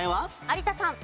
有田さん。